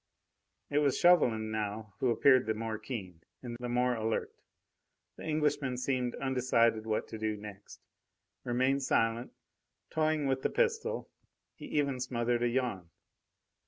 It was Chauvelin now who appeared the more keen and the more alert; the Englishman seemed undecided what to do next, remained silent, toying with the pistol. He even smothered a yawn.